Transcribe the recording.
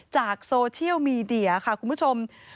โซเชียลมีเดียค่ะคุณผู้ชม